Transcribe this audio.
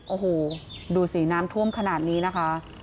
โอ้โหดูสิน้ำท่วมขนาดนี้นะคะ